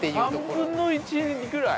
◆３分の１ぐらい？